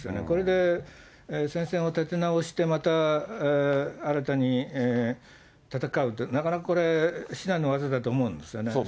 これで戦線を立て直して、また新たに戦うって、なかなかこれ、至難の業だと思うんですよね。